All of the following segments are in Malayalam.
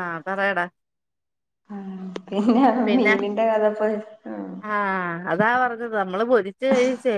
ആ പറയടാ ആ പിന്നെ മീനിന്റെ കഥ പോയി ആ അതാ പറഞ്ഞത് നമ്മള് പൊരിച്ചു കഴിച്ചേ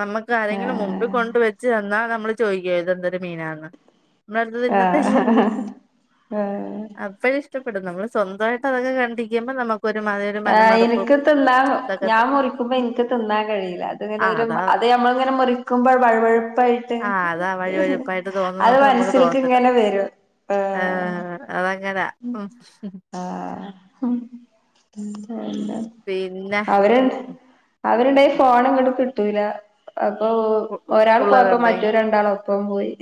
നമ്മുക്ക് ആ ആരെങ്കിലും മുമ്പിൽ കൊണ്ട് വെച്ച് തന്നാ നമ്മള് ചോദിക്കോ ഇതെന്തൊരു മീനാന്ന്. അതെടുത്ത ആ തിന്നത്തല്ലെയുള്ളൂ. ആ അപ്പള് ഇഷ്ടപ്പെടും. നമ്മള് സ്വന്തായിട്ട് അതങ്ങ്ട് കണ്ടിക്കുമ്പോ നമ്മക്ക് ഒരുമാതിരി ആ മനമടുപ്പും എനിക്ക് തിന്നാൻ ഞാൻ മുറിക്കുമ്പോ എനിക്ക് തിന്നാൻ കഴിയില്ല. അത്ങ്ങനെ ആഹ് ഒരു അതാ അത് നമ്മൾങ്ങനെ മുറിക്കുമ്പോ വഴുവഴുപ്പ് വഴുപ്പായിട്ട് ആഹ് അതാ ഈഹ് വഴുവഴുപ്പായിട്ട് അത് മനസൽക്ക് ഇങ്ങനെ വരും. ആ അതങ്ങ ആ ഹും പിന്നെ [inaudible] അവര്ണ്ട് അവരുണ്ടായി ഫോണങ്ങടു കിട്ടൂല അപ്പോ ഒരാൾ പോയപ്പോ പുള്ളേരുണ്ടായി മറ്റു രണ്ടാളു പ്പം പോയി.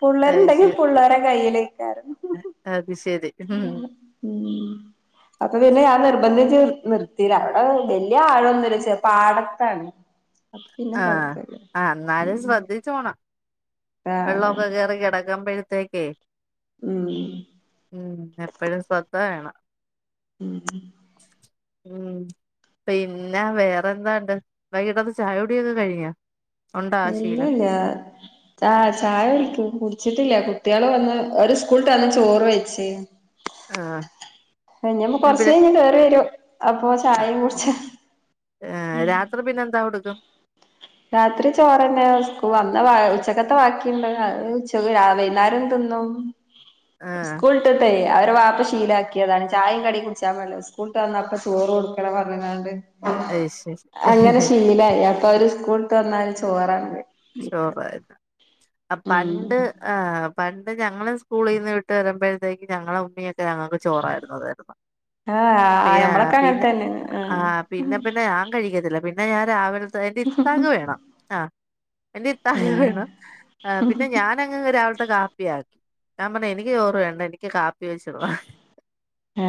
പുള്ളരുണ്ടെങ്കിൽ പുള്ളേരെ കയ്യിലേക്കാരു ആ ആ [inaudible] ഉം അപ്പ പിന്നെ ഞാൻ നിർബ ന്ധിച്ച് നിർത്തിതാ അവടെ വല്യ ആഴൊന്നുല്ലച്ച പാടത്താണ്. അപ്പ പിന്നെ ആ കൊഴപ്പല്ല ആ ന്നാലും ശ്രദ്ധിച്ചോണം ആഹ് വെള്ള അതാണ് ഒക്കെ കേറി കിടക്കുമ്പഴത്തേക്കേ ഉം ഉം എപ്പഴും ശ്രദ്ധ വേണം ഉം ഉം പിന്നെ വേറെന്താണ്ട് വൈകീട്ടത്തെ ചായ കുടിയൊക്കെ കഴിഞ്ഞോ? ഉണ്ടാ ആ ശീലം ഇല്യാല്ല ച ചായടിക്കും കുടിച്ചി ട്ടില്ല കുട്ടികള് വന്ന് അവര് സ്കൂളിട്ടന്ന് ചോറ് കഴിച്ച് ആ എഞ്ഞിപ്പോ കൊറച്ചഴിഞ്ഞ് കേറി വരൂ അപ്പോ ചായും കുടിച്ച് ഏ രാത്രി പിന്നെ എന്താ കൊടുക്കും? രാത്രി ചോറ്ന്നെയാ. സ്കൂ വന്ന ഉച്ചക്കത്തെ ബാക്കിണ്ട് ഉച്ചക്ക് രാവിലെ വൈന്നേരം തിന്ന ന്നും ആഹ് സ്കൂൾട്ടട്ടേ അവര്ടെ വാപ്പ ശീലാക്കിയതാണ്. ചായയും കടിയും കുടിച്ചാൻ പാടില്ല. സ്കൂളിട്ട വന്ന അപ്പ ചോറ് കൊടുക്കണംന്ന് പറഞ്ഞങ്ങാണ്ട്. അത് ശരി അങ്ങനെ ശീലായി. അപ്പ അവര് സ്കൂള്ട്ട വന്നാല് ചോറാണ് തി ചോറ [unintelligible] ആ ഉം പണ്ട് ആ പണ്ട് ഞങ്ങള് സ്കൂളിന്ന് വിട്ട് വരുമ്പോഴത്തേക്ക് ഞങ്ങള ഉമ്മിയതെ ഞങ്ങൾക്ക് ചോറായിരുന്നു തരുന്നത്. ആഹ് പിയാ ഞമ്മളൊക്കെ അങ്ങനെ പിന്നെ തന്നെയാണ് ആ ആഹ് പിന്നെ പിന്നെ ഞാൻ കഴിക്കത്തില്ല പി ന്നെ ഞാൻ രാവിലത്തെ എന്റെ ഇത്താക്ക് വേണം ആ എന്റെ ഇത്താക്ക് വേണം. ആഹ് ആ പിന്നെ ഞാനങ്ങ്‌ ങ്‌ രാ വ്ത്തെ കാപ്പിയാക്കി. ഞാൻ പറഞ്ഞ് എനിക്ക് ചോറ് വേണ്ട എനിക്ക് കാപ്പി വെച്ച് വാ ആ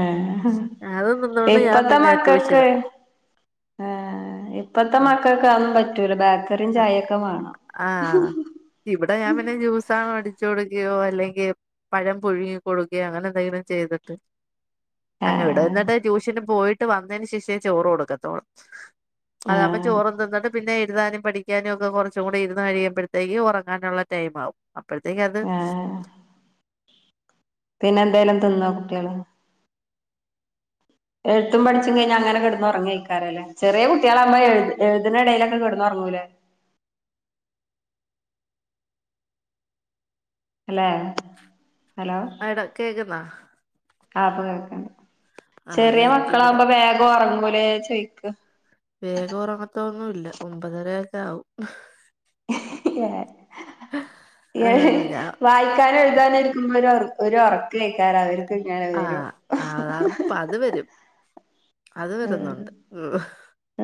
ഞാൻ ഇപ്പത്ത പിന്നെ മക്കക്ക് ട്യൂഷന് ആ ഇപ്പത്തെ ഉം മക്കക്കതൊന്നും പറ്റൂല. ബേക്കറിയും ചായൊക്കെ വാ ആഹ ഇവിടെ ഞാൻ പിന്നെ ജ്യൂ സാനം അടിച്ച് കൊടുക്കുകയോ അല്ലെങ്കിൽ പഴം പുഴുങ്ങി കൊടുക്കുകയോ അങ്ങനെ എന്തെങ്കിലും ചെയ്തിട്ട്. അങ്ങ ഇട ആഹ് എന്നിട്ട് ട്യൂഷന് പോയിട്ട് വന്നതിന് ശേഷം ചോറ് കൊടുക്കത്തോള്. അതാവുമ്പ ആഹ് ചോറും തിന്നിട്ട് പിന്നെ എഴുതാനും പഠിക്കാനും ഒക്കെ കുറച്ച് കുറച്ചും കൂടി ഇരുന്ന് കഴിയുമ്പോഴത്തേക്ക് ഉറങ്ങാനുള്ള ടൈം ആകും അപ്പോഴത്തേക്ക് അത്. ആഹ് പിന്നെ എന്തേലും തിന്നോ കുട്ടി ആള്? എഴുതും പഠിച്ചും കഴിഞ്ഞ് അങ്ങനെ കെടന്നൊറങ്ങയ്ക്കാരും ലെ ചെറിയ കുട്ടാ ളാവുമ്പോ എഴുതിണെടേലൊക്കെ കെടന്നൊറങ്ങു ലേ? അല്ലെ ഹലോ ആ ഇട കേക്കുന്നാ? ആ ഇപ്പ കേക്ക്ണ്ട ആ അത് ചെറിയ എനിക്കിവിടെ മക്കളാാവുമ്പോ ബേഗം ഉറങ്ങു ലേ ചോയിക്ക. വേഗം ഉറങ്ങത്തൊന്നുല്ല ഒമ്പതരയൊക്കെ ആവും. ആഹ് ഞാ വായിക്കാനും എഴുതാന ഇരിക്കുമ്പരും അവർക്കും ഒരു ഉറക്ക കേക്കാരുംഅവർക്ക് ഇങ്ങനെ വരും. ആഹ് അതാ അത് വരും അത് ഉം വരുന്നുണ്ട്.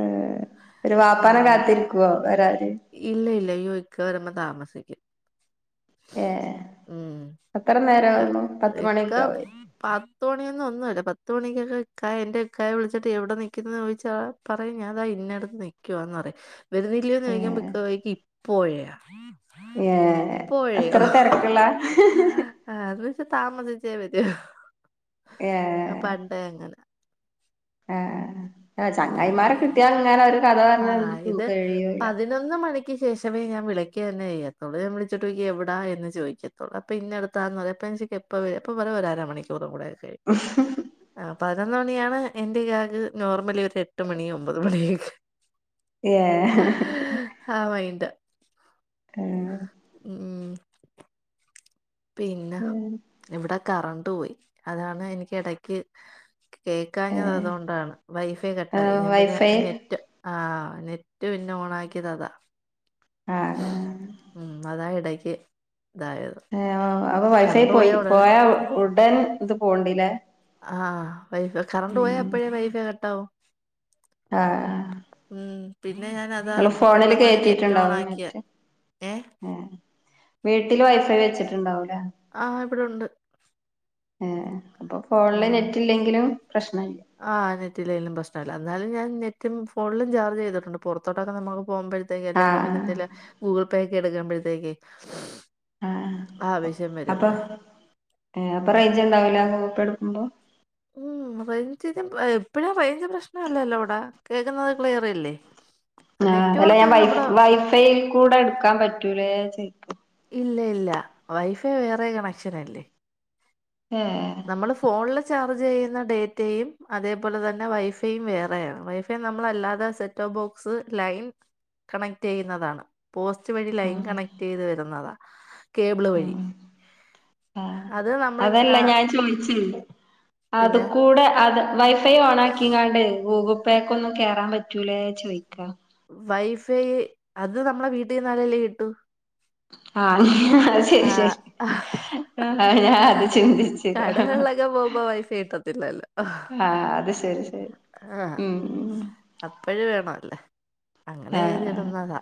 ഉം ഒരു വാപ്പാന ഉം കാത്തിരിക്കുവോ വരാ ന്. ഇല്ല ഇല്ല അയ്യോ ഇക്ക വരുമ്പോ താമസിക്കും. ഏ ഉം അത്ര നേരം പത്ത് ഇക്ക മണിയൊക്കെ ആവേ പത്തുമണിയൊന്നും ഒന്നും അല്ല പത്തുമണിക്ക് ഒക്കായ എൻന്റെറെ ഒക്കായെ വിളിച്ചിട്ട് എവിടെ നൽക്കുന്നന്ന് ചോദിച്ചാ പറയും ഞാൻതാ ഇന്ന അടുത്ത് നിൽക്കുവാന്ന് പറയും. വരുന്നി േല്ലന്ന് ചോയിക്കുമ്പോ ഇക്ക പറയും ഇപ്പോയാ? ഏർ അത്ര തിരക്കുള്ള അത് വെച്ച് താമസിച്ചേ വരൂ ആ പ േണ്ട അങ്ങന. ആഹ ആ ഉം ചങ്ങായിമാരെ കിട്ടിയൽ ഇങ്ങന ഒരു കഥ പറഞ്ഞന്ന് പൂ കഴിയൂല്ല. ക്ക് ശേഷമേ ഞാൻ വിളക്ക്ുക തന്നെ ചെയ്യത്തുള്ളൂ ഞാൻ വിളിച്ചിട്ട് എവടാ എന്ന് ചോദിക്കത്തുള്ളൂ അപ്പൊ ഇന്ന അടുത്താന്ന് പറ ഞാൻ ചോദിക്കും എപ്പ വരും അപ്പ പറയും ഒരു അര മണിക്കൂർ കൂടെ. [unintelligible] എട്ട് മണി ഒമ്പത് മണിയക്കെ ഏഹ് ആ വൈകിട്ട്. ആഹ ഉം പിന്നെ ഇവിടെ കറണ്ട് പോയി അതാണ് എനിക്ക് ഇടക്ക്. കേക്കാഞ്ഞത് ഏഹ് അതുകൊണ്ടാണ് വൈഫൈ കട്ടായി ഞാൻ പിന്നെ വൈഫൈ നെറ്റ് ആ നെറ്റ് പിന്നെ ഓണാക്കിയത് അതാ ആഹ് ഉ അതാ ഇടക്ക് തായത് ഏഹ് അപ്പൊ വൈ ഫായി പോയി പോയാ ഉടൻ ഇത് പോണ്ട് ലേ? - ആഹ വൈൈഫ കറണ്ട് പോയാ അപ്പോഴേ വൈഫൈ കട്ടാവും. ആഹ ആ ഉം പിന്നെ ഞാന അതാ പെട്ടന്ന് അങ്ങനെ നെറ്റ് ഓൺആക്കിയേ നെറ്റ് ഏ വീട്ടിൽ വൈഫൈ വെച്ചിട്ടുണ്ടാവൂലേ? ആഹ് ഇവിടെ ഉണ്ട് ആഹ ഉം ആ നെറ്റിലെലും പ്രശ്നല്ല അന്നാലും ഞാൻ നെ റ്റും ഫോണില് ചാർജ്ചെയ്തിട്ടണ്ട് പുറത്തോട്ടൊക്കെ നമുക്ക് പോകുമ്പോഴത്തേക്ക് അല്ലെങ്ക പിന്നെ ആഹ് എന്തെല് ഗൂഗിൾ പേ എടുക്കുമ്പഴത്തെക്കെ ആ അപ്പൊ ആ അപ്പ റേൻജ് ഉണ്ടാവൂല ഫോട്ടോടു എന്തോ ഉം റേഞ്ചിന് ഇപ്പോ റേഞ്ച് പ്രശ്നല്ലല്ലോ എവിടെ കേൾക്കുന്നത് ക്ലിയർ അല്ലേ ആ അല്ല ഞാൻ വൈ വൈഫൈൽ കൂടെ എടുക്കാൻ പറ്റൂലേ ചോയ്ക ഇല്ല ഇല്ല വൈഫൈ വേറെ കണക്ഷന അല്ലേ ഏ നമ്മള് ഫോണിൽ ചാർജ് ചെയ്യുന്ന ഡേറ്റയും അതേപോലെ തന്നെ വൈഫൈയും വേറൊണ് വൈഫൈ നമ്മളല്ലാതെ set of box line connect ചെയ്യുന്നതാണ് പോസ്റ്റ് വഴി ലൈൻ ആഹ് കണക്ട് ചെയ്ത് വരുന്നതാണ് കേബിള് വഴി ആഹ് അത് നമ്മളിങ്ങനെ മം പിന്നെ അതുകൂടെ അത് വൈഫൈ ഓൺ ആക്കിങ്ങാണ്ട് ഗൂഗിൾ പേ ഒന്നും കേയറാൻ പറ്റൂലേ ചോദിക്ക വൈഫൈ അത് നമ്മട വീട്ടിൽന്നാലല്ലേ കിട്ടു ആഹ ശരി ശരി ആ ഞ കടകളിലൊക്കെ പോകുമ്പോ വൈഫ ഇട്ടത്തില്ലല്ലോ ആഹ അത് ശരി ശരി ആഹ ഉം ഉം അപ്പഴ വേണ അല്ലേ അങ്ങനെ ആഹ് എഴതിടുന്നതാ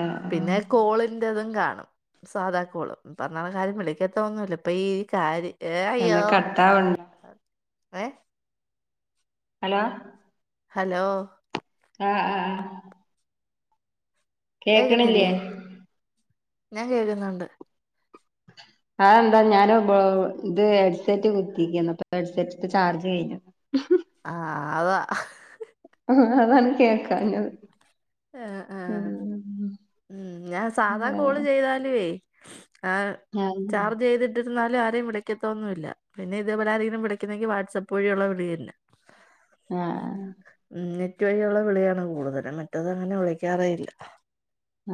ആഹ് പിന്നെ ആഹ് കോളിന്റെ തും കാണും സാധനം കാൾ പറഞ്ഞ കാര്യം വിളിക്കാത്ത ഒന്നുംല്ല ഇപ്പൊ ഈ കാര്യ എ ഏയ്യോ എന്താ കട്ടാവ്ണ്ടോ ഏ ഹലോ ഹലോ ആഹാ ആ ആ കേക്കണില്ലേ,? കേക്കുന്നില്ലേ ഞാൻ കേക്കുന്ന്ണ്ട് അതെന്താ ഞൻ ഇത് ഹെഡ്സെറ്റ് കുത്തിക്ക്‌ന്ന് ഹെഡ്സെറ്റ് ചാർജ് കഴഞ്ഞു ആഹ് അതാ [unintelligible] ആ അതാണ് കേക്കാഞ്ഞത് ആ ആഹ ഉ ഞാൻ സാധാ കോള് ചെയ്താലുവേ ആ ആഹ് ചാർജ് ചെയ്തിട്ട് ന്നാലുംആരെയും വിളിക്കതോന്നുല്ല പിന്നെ ഇതുപോലെരെങ്കിലും വിളിക്കുന്നെങ്കി വാട്സപ്പ് വഴിയുള്ള വിളിയനെ ആഹ ചറ്റ വഴിയുള്ള വിളിയാണ് കൂടുതല മറ്റത് അങ്ങനെ വിളിക്കാറല്ല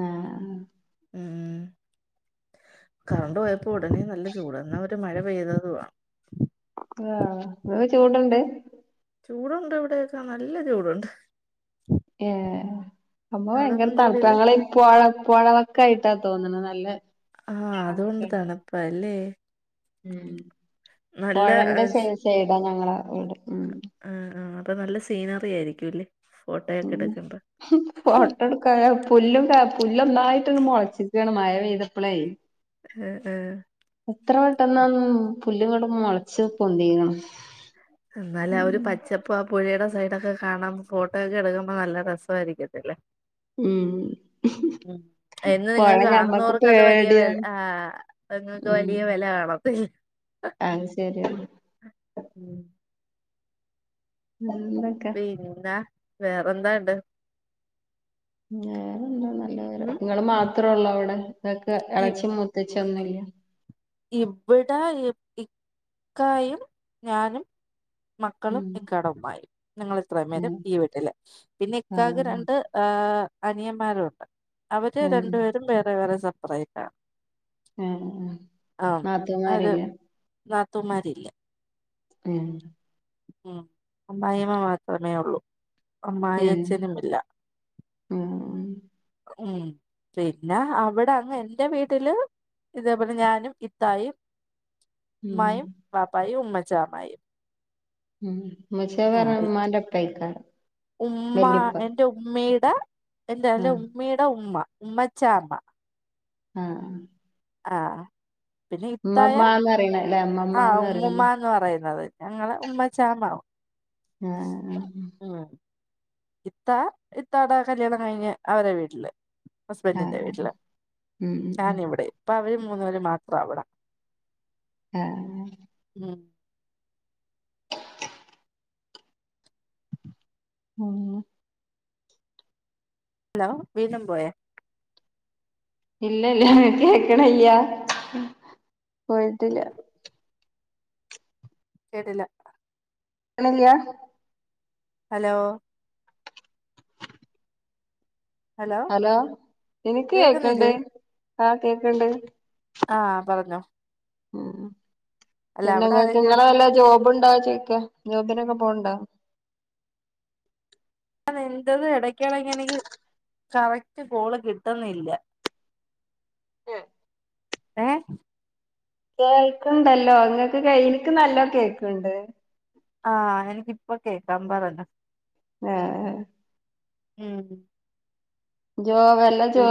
ആഹ കറണ്ട് പോയപ്പോ ഉടനെ നല്ല ചൂട എന്നാ അവര് മഴ പെയ്തതുണം ആഹ് ങ്ങാഹ് ചൂട്ണ്ട് ചൂടുണ്ട് ഇവിടെൊക്കെ നല്ല ചൂടുണ്ട് ഏ അമ്മ ഭയങ്കര അവിടൊന്നും ചൂടില്ല തണുപ്പങ്ങള് പോയ പോയ വ ക്കായിട്ടാ തോന്നണ നല്ല ആഹ തണുപ്പാണ്. അതുകൊണ്ടതണപ്പ ല്ലേ ഉം നല്ല പുഴന്റെ സൈടാ ഞങ്ങള ഇവിടെ ഉ ആ ആ അപ്പൊ നല്ല സീനറി ആയിരിക്കുംല്ലേ ഫോട്ടോയൊക്കെ എടുക്കുമ്പോ ഉ ഫോട്ട എടുക്ക പുല്ലും കാ പു പുല്ല് ഒന്നായിട്ട് മുളച്ചിക്കാണ് മഴ പെയ്തപ്പളേ ആഹ് ആഹ് എത്ര പെട്ടെന്ന് എന്ന പുല്ല്ങ്ങട് മൊളച്ച് പൊന്തീക്ക്ണ് എന്നാലും ആ ഒരു പച്ചപ്പും പുഴയുടെ സൈഡൊക്കെ കാണാൻ ഫോട്ടോ ഒക്കെ എടുക്കുമ്പോ നല്ല രസായിരിക്കത്തില്ലേ ഉം ഉം അയ്‌ന് പൊഴ നിങ്ങക്ക് ഞമ്മക്ക് കാണുന്നോർക്ക് അത് വലിയ വില പേടിയാണ് ആഹ് ഉം വലിയ വില കാണത്തില്ല അത് ശരിയാണ് ഉം എന്തൊക്കെ വേറെ എന്താ ഇണ്ട് വേറെന്താ നല്ല വിവരം ഉം ഇങ്ങള് മാത്രെള്ളൂ അവിടെ ഇങ്ങക്ക് ഇ ഇളേച്ചി മൂത്തച്ചിയൊന്നൂല്ലേ ഇവിടെ ഇക്കായും ഞാനും മക്കളും ഉം ഇക്കാടെ ഉമ്മായും ഞങ്ങള് ഇത്രയും പേര് ഉം ഈ വീട്ടില്. പിന്നെ ഇക്കാക്ക് ആഹ് രണ്ട് ഏഹ് അനിയൻമാരൂണ്ട്. അവര് ഉം രണ്ടു പേരും വേറെ വേറെ സെപ്പറേറ്റാണ് ഉം ഒരു നാത്തൂമാരില്ലേ നാത്തൂമാരില്ല ഉം ഉം അമ്മായിഅമ്മ മാത്രമേ ഉള്ളൂ അമ്മായി ഉം അച്ഛനും ഇല്ല ഉം ഉം പിന്നെ അവിടെ അങ്ങ് എന്റെ വീട്ടില് ഇതേപോലെ ഞാനും ഇത്തായും ഉം ഉമ്മായും വാപ്പായും ഉമ്മച്ചാമ്മായും ഉമ്മച്ചാ പറഞ്ഞ ഇമ്മാന്റെപ്പായിക്കാരം ഉമ്മ എന്റെ ഉമ്മയുടെ എന്റെ ആഹ് ഉമ്മയുടെ ഉമ്മ ഉമ്മച്ചാമ്മ ആഹ് ആഹ് പിന്നെ ഇത്തായെ ഉമ്മമ്മാന്നറിണല്ലേ ആ ഉമ്മമ്മാന്നറിണ ഉമ്മുമ്മാന്ന് പറയുന്നത് ഞങ്ങള ഉമ്മച്ചാമ ആഹ് ഇത്താ ഇത്താടെ കല്യാണം കഴിഞ്ഞ് അവരെ വീട്ടില് ആ ഹസ്ബന്റിന്റെ വീട്ടില് ഉം ഉം ഉം ഞാന് ഇവിടെയും. ഇപ്പ അവര് മൂന്ന് പേരും മാത്രം അവിടെ ആഹ് ഉം ഉം ഹലോ വീണ്ടും പോയോ ഇല്ല ഇല്ല കേക്ക്ണില്ല പോയിട്ടില്ല കേട്ടില്ല കേക്ക്‌ണില്ല ഹലോ ഹലോ എനിക്ക് കേക്കുന്നില്ലേ കേക്ക്ണ്ട് ആഹ് കേക്ക്ണ്ട് ആഹ് പറഞ്ഞോ ഉം അല്ല പിന്നെ അവിടെ ഇങ്ങക്ക് ആരൊക്കെയു ഇങ്ങള് വല്ല ജോബ് പോണുണ്ടോ ചോയ്ക്ക. ജോബിനൊക്കെ പോണുണ്ടോ ഇടക്കെട‌ക്ക് എനിക്ക് കറക്റ്റ് കോള് കിട്ടുന്നില്ല [inaudible] ഏ കേൾക്ക്ണ്ടല്ലോ ഇങ്ങക്ക് ഇൻക് നല്ലോ കേക്കണ്ട് ആഹ് എനിക്ക് ഇപ്പൊ കേക്കാം പറഞ്ഞോ ആഹ് ഉം ജോബ് അല്ലാ ജോ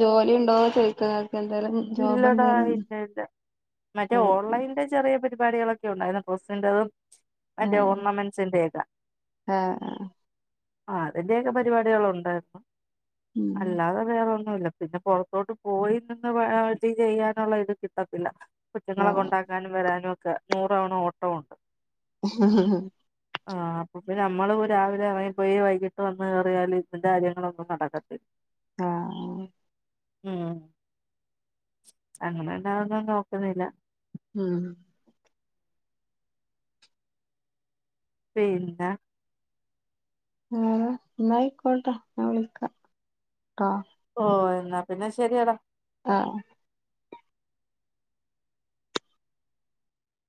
ജോലി ഉണ്ടോ ചോയ്ക്ക ഇങ്ങക്ക് എന്തേലും ജോബ് ഇല്ലടാ എന്തേലും ഇല്ല ഇല്ല മറ്റേ ആ ഓൺലൈൻന്റെ ചെറിയ പരി പരിാികൊക്ക ഉണ്ടായിരുന്നു പ്രസിറതും ആ അന്റെ ഓർണമെന്സിന്റെേക ആ ആ ആ അതിന്റെൊക്കെ പരിപാടികൾ ഉണ്ടായിരുന്നു ഉം അല്ലാതെ വേറ പിന്നെ പുൊറത്തോട്ട് പോയി നിന്ന് വ ചെയ്യാനുള്ള ഇത് കിട്ടത്തില്ല കുറ്റങ്ങളെക്ക കൊ ഉണ്ടാക്കാനും വരാനും ഒക്കെ നൂറ്തവണ ഓട്ടമുണ്ട് ഹ ഹ െ നമ്മള് രാവിലെ ഇറങ്ങി പോയി വൈകിട്ട് വന്ന് കേറിയാല് ഇതിന്റെ കാര്യങ്ങളൊന്നും നടക്കത്തില്ല ആഹ ഉം അങ്ങനെണ്ടാവുന്ന നോക്കുന്നില്ല ഉം പിന്ന ന്ന ആയിക്കോട്ടെ ഞാൻ വിളിക്കാ ട്ടോ ഓ എന്നാ പിന്നെ ശെരിയെടാ ആ